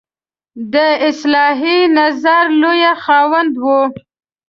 د اصلاحي نظر لوی خاوند وي.